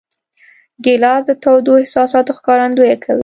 ګیلاس د تودو احساساتو ښکارندویي کوي.